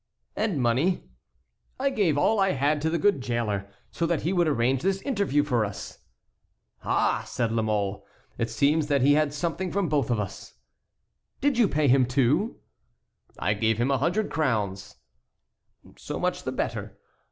"And money?" "I gave all I had to the good jailer, so that he would arrange this interview for us." "Ah!" said La Mole, "it seems that he had something from both of us." "Did you pay him too?" "I gave him a hundred crowns." "So much the better."